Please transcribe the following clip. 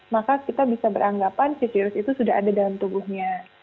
maka kita bisa beranggapan si virus itu sudah ada dalam tubuhnya